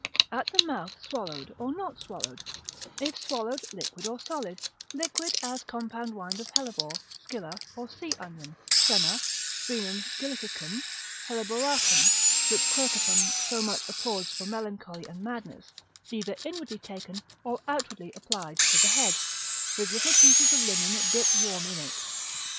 At the mouth swallowed or not swallowed: If swallowed liquid or solid: liquid, as compound wine of hellebore, scilla or sea onion, senna, Vinum Scilliticum, Helleboratum, which Quercetan so much applauds for melancholy and madness, either inwardly taken, or outwardly applied to the head, with little pieces of linen dipped warm in it.